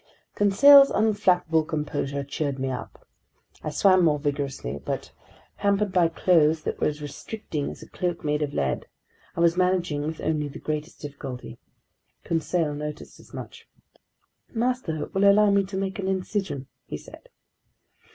Conseil's unflappable composure cheered me up. I swam more vigorously, but hampered by clothes that were as restricting as a cloak made of lead, I was managing with only the greatest difficulty. Conseil noticed as much. "Master will allow me to make an incision," he said.